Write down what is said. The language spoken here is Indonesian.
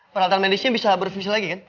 peralatan medisnya bisa berfungsi lagi kan